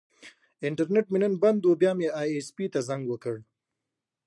انټرنیټ مې نن بند و، بیا مې ائ ایس پي ته زنګ وکړ.